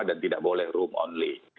dan tidak boleh room only